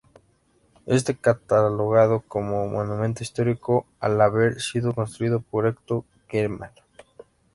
Está catalogado como Monumento Histórico al haber sido construido por Hector Guimard.